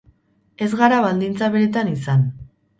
Ez gara baldintza beretan izan.